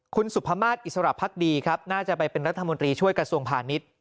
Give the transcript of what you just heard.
คุณสุภามาศอิสระพักดีครับน่าจะไปเป็นรัฐมนตรีช่วยกระทรวงพาณิชย์